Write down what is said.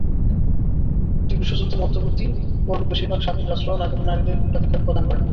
দুই বিশ্বযুদ্ধ-মধ্যপর্তী পর্বে বেশির ভাগ স্বাধীন রাষ্ট্র নারীদের ভোটাধিকার প্রদান করেন।